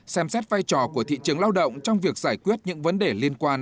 xem xét vai trò của thị trường lao động trong việc giải quyết những vấn đề liên quan